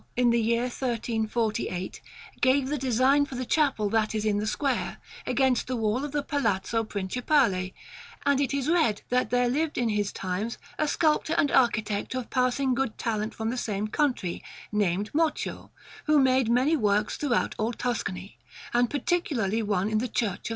Panel_)] They say in Siena that Duccio, in the year 1348, gave the design for the chapel that is in the square, against the wall of the Palazzo Principale; and it is read that there lived in his times a sculptor and architect of passing good talent from the same country, named Moccio, who made many works throughout all Tuscany, and particularly one in the Church of S.